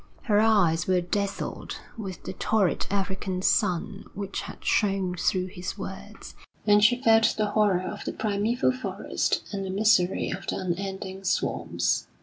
Her eyes were dazzled with the torrid African sun which had shone through his words, and she felt the horror of the primeval forest and the misery of the unending swamps.